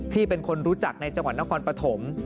เป็นคนรู้จักในจังหวัดนครปฐม